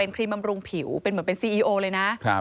เป็นครีมบำรุงผิวเป็นเหมือนเป็นซีเอโอเลยนะครับ